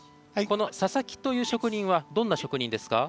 この佐々木という職人はどんな職人ですか？